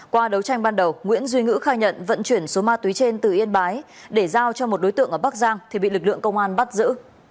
qua đấu tranh ban đầu nguyễn duy ngữ khai nhận vận chuyển số ma túy trên từ yên bái để giao cho một đối tượng ở bắc giang thì bị lực lượng công an bắt giữ